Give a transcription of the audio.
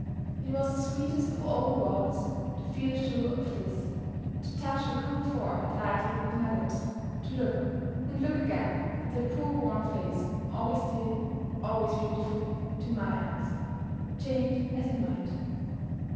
It was the sweetest of all rewards to feel sure of this to touch her cool forehead lightly with my lips to look, and look again, at the poor worn face, always dear, always beautiful, to my eyes. change as it might.